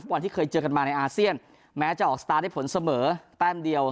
บอลที่เคยเจอกันมาในอาเซียนแม้จะออกสตาร์ทได้ผลเสมอแต้มเดียว